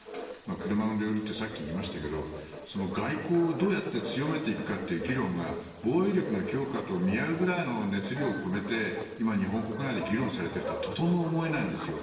車の両輪ってさっき言いましたが外交をどうやって強めていくかっていう議論が防衛力の強化と見合うぐらいの熱量を込めて今、日本国内で議論されているとはとても思えないんですよ。